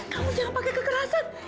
kamu jangan pakai kekerasan